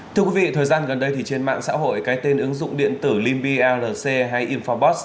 thưa quý vị thời gian gần đây trên mạng xã hội cái tên ứng dụng điện tử limpirc hay infobox